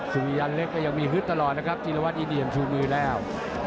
สุริยันเล็กก็ยังมีฮึดตลอดนะครับจีรวัตรอินเดียมชูมือแล้ว